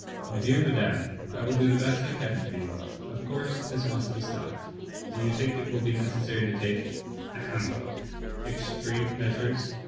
''My dear madame, I will do the best I can for you ; of course, this must be stopped. Do you think it will be necessary to take — ahem — extreme measures?